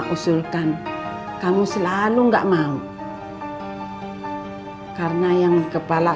isu allah revela